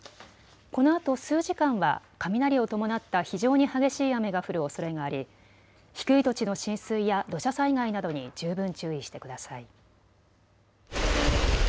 このあと数時間は雷を伴った非常に激しい雨が降るおそれがあり低い土地の浸水や土砂災害などに十分注意してください。